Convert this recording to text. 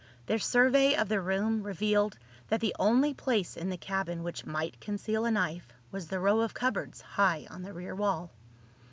Their survey of the room revealed that the only place in the cabin which might conceal a knife was the row of cupboards high on the rear wall.